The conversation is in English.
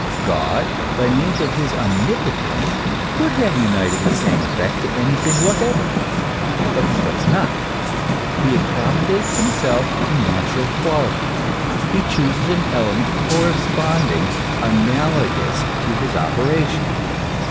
God, by means of his omnipo tence, could have united the same effect to anything whatever. But he does not; he accommodates himself to natural quali ties ; he chooses an element corresponding, analogous to his operation.